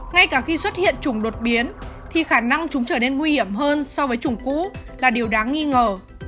ngay cả khi xuất hiện chủng đột biến thì khả năng chúng trở nên nguy hiểm hơn so với chủng cũ là điều đáng nghi ngờ